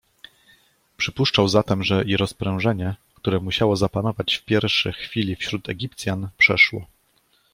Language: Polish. Przypuszczał zatem że i rozprzężenie, które musiało zapanować w pierwszy chwili wśród Egipcjan, przeszło.